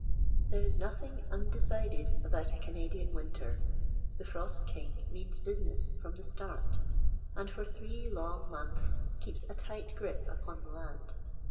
There is nothing undecided about a Canadian winter. The frost king means business from the start, and for three long months keeps a tight grip upon the land.